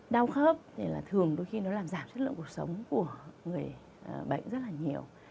đau khớp thì là thường đôi khi nó làm giảm chất lượng cuộc sống của người bệnh rất là nhiều